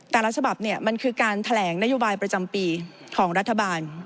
แต่รัฐบาปมันคือการแถลงนโยบายประจำปีของรัฐบาล